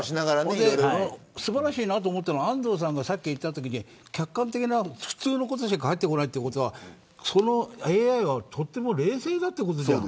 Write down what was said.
素晴らしいなと思ったのは安藤さんがさっき言ったとき普通のことしか返ってこないということはそのＡＩはとても冷静だってことじゃん。